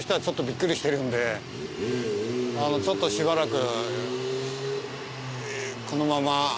ちょっとしばらく。